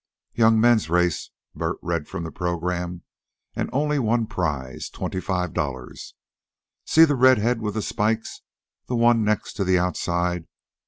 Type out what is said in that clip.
"Young men's race," Bert read from the program. "An' only one prize twenty five dollars. See the red head with the spikes the one next to the outside.